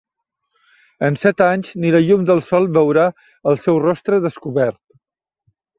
En set anys ni la llum del sol veurà el seu rostre descobert.